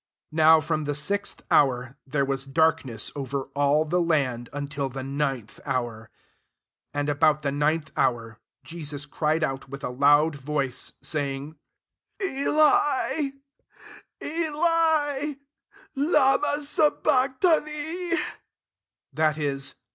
45 Now from the sixth hour, diere was darkness over all the knd, until the ninth hour. 46 And about the ninth hour Jesus cried out with a loud voice, sayme, " Eli, Eli, lama sabach thW i" that is.